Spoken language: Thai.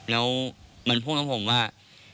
แล้วมันพูดกับผมว่า